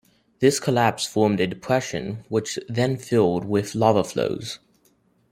This collapse formed a depression which then filled with lava flows.